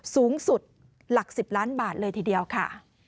สูงสุดหลัก๑๐ล้านบาทเลยทีเดียวค่ะ